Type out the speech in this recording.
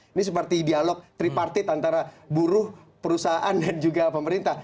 ini seperti dialog tripartit antara buruh perusahaan dan juga pemerintah